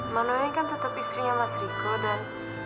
mano ini kan tetap istrinya mas riko dan